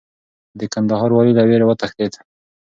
د کندهار والي له ویرې وتښتېد.